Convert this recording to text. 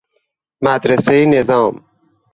مدرسه نظام